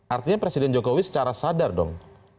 artinya presiden jokowi secara sadar dong